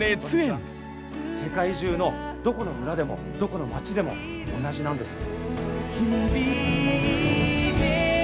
世界中のどこの村でもどこの町でも同じなんです。